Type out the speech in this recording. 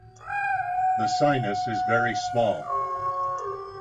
The sinus is very small.